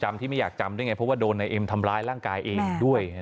ที่ไม่อยากจำได้ไงเพราะว่าโดนนายเอ็มทำร้ายร่างกายเองด้วย